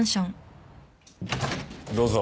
どうぞ。